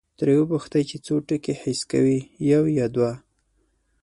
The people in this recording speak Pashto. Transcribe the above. ترې وپوښتئ چې څو ټکي حس کوي، یو یا دوه؟